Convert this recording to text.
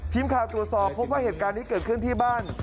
ทีมข่าวตรวจสอบพบว่าเหตุการณ์นี้เกิดขึ้นที่บ้าน